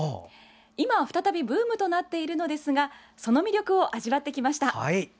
今、再びブームとなっているのですがその魅力を味わってきました。